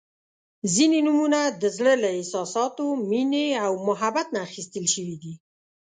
• ځینې نومونه د زړۀ له احساساتو، مینې او محبت نه اخیستل شوي دي.